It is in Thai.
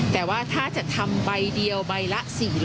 แต่ว่าถ้าจะทำใบเดียวใบละ๔๐๐